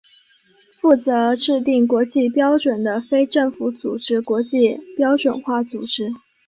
负责制定国际标准的非政府组织国际标准化组织。